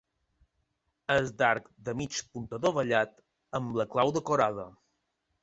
És d'arc de mig punt adovellat, amb la clau decorada.